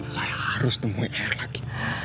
saya harus temui air lagi